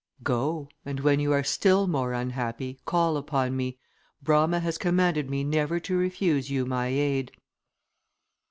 "Go! and when you are still more unhappy, call upon me. Brama has commanded me never to refuse you my aid."